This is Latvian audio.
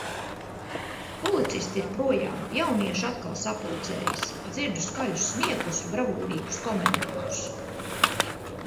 Policisti ir projām, jaunieši atkal sapulcējas. Dzirdu skaļus smieklus, bravūrīgus komentārus.